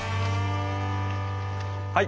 はい！